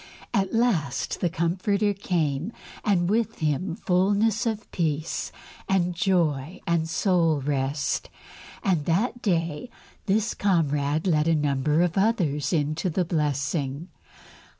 At last the Comforter came, and with Him fullness of peace and joy and soul rest, and that day this comrade led a number of others into the blessing.